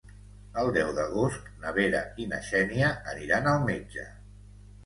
El deu d'agost na Vera i na Xènia aniran al metge.